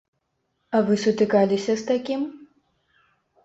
А вы сутыкаліся з такім?